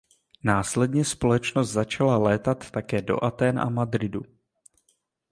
Následně společnost začala létat také do Atén a Madridu.